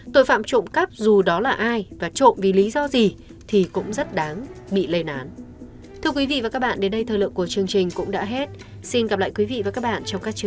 tội phạm trộm cắp dù đó là ai và trộm vì lý do gì thì cũng rất đáng bị lên án